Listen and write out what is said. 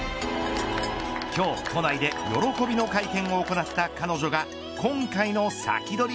今日、都内で喜びの会見を行った彼女が今回のサキドリ！